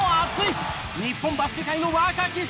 日本バスケ界の若き至宝！